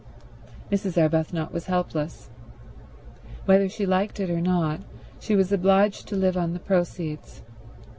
Mrs. Arbuthnot was helpless. Whether she liked it or not, she was obliged to live on the proceeds.